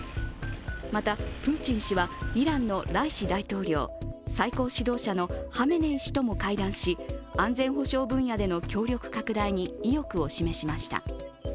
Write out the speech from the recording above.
また、プーチン氏はイランのライシ大統領、最高指導者のハメネイ師とも会談し、安全保障分野での協力拡大に意欲を示しました。